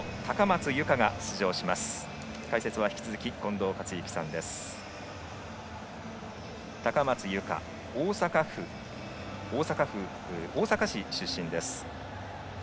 高松佑圭、大阪府大阪市出身です。